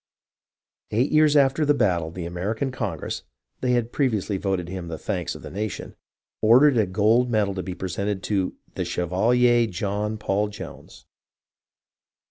Eight years after the battle the American Congress (they had previ ously voted him the thanks of the nation) ordered a gold medal to be presented to "the Chevalier John Paul Jones."